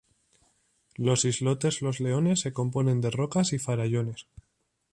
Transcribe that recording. Los islotes Los Leones se componen de rocas y farallones.